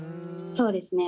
そうですね。